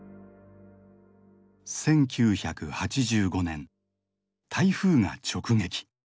１９８５年台風が直撃。